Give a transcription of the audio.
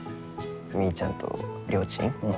みーちゃんとりょーちん？